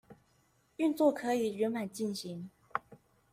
運作可以圓滿進行